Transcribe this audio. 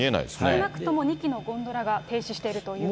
少なくとも２機のゴンドラが停止しているということです。